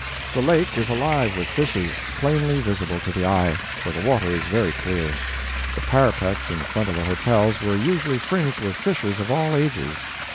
The lake is alive with fishes, plainly visible to the eye, for the water is very clear. The parapets in front of the hotels were usually fringed with fishers of all ages.